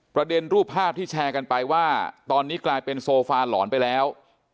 รูปภาพที่แชร์กันไปว่าตอนนี้กลายเป็นโซฟาหลอนไปแล้ว